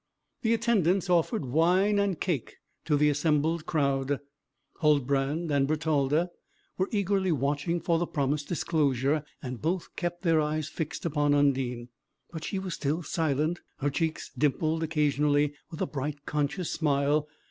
The attendants offered wine and cake to the assembled crowd. Huldbrand and Bertalda were eagerly watching for the promised disclosure, and both kept their eyes fixed upon Undine. But she was still silent; her cheeks dimpled occasionally with a bright, conscious smile.